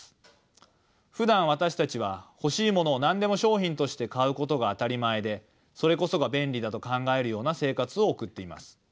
ふだん私たちは欲しいものを何でも商品として買うことが当たり前でそれこそが便利だと考えるような生活を送っています。